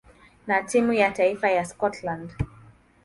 na timu ya taifa ya Scotland.